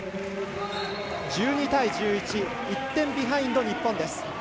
１２対１１１点ビハインド、日本です。